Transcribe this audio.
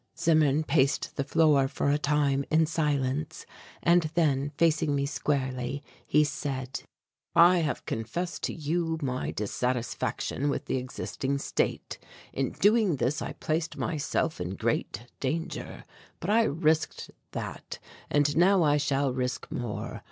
Zimmern paced the floor for a time in silence and then, facing me squarely, he said, "I have confessed to you my dissatisfaction with the existing state. In doing this I placed myself in great danger, but I risked that and now I shall risk more.